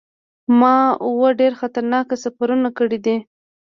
ما اووه ډیر خطرناک سفرونه کړي دي.